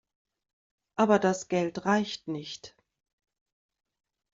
Aber das Geld reicht nicht.